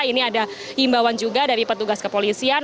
ini ada himbauan juga dari petugas kepolisian